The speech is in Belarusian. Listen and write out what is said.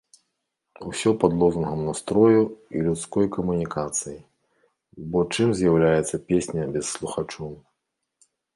Усё пад лозунгам настрою і людской камунікацыі, бо чым з'яўляецца песня без слухачоў.